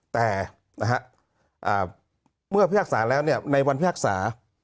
แต่เมื่อพิพากษาแล้วในวันพิพากษา